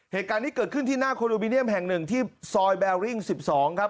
เหตุการณ์นี้เกิดขึ้นที่หน้าคอนโดมิเนียมแห่งหนึ่งที่ซอยแบริ่ง๑๒ครับ